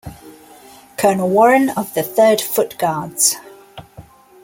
Colonel Warren of the Third Foot Guards.